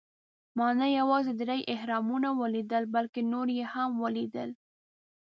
ما نه یوازې درې اهرامونه ولیدل، بلکې نور یې هم ولېدل.